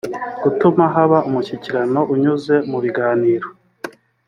gutuma haba umushyikirano unyuze mu biganiro